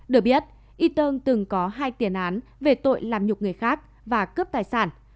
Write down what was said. được biết eton từng có hai tiền án về tội làm nhục người khác và cướp tài sản